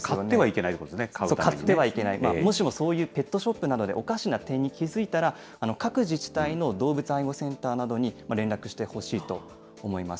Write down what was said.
そう、買ってはいけない、もしもそういうペットショップなどで、おかしな点に気付いたら、各自治体の動物愛護センターなどに連絡してほしいと思います。